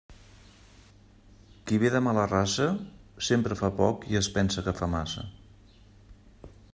Qui ve de mala raça, sempre fa poc i es pensa que fa massa.